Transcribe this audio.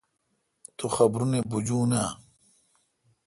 تو خبرونی بجون آں؟